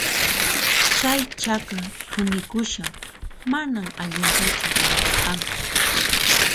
Chay chaka thunikushan, manan allintachu ruwasqaku.